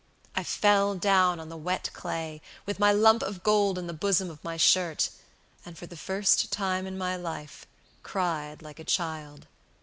I fell down on the wet clay, with my lump of gold in the bosom of my shirt, and, for the first time in my life, cried like a child.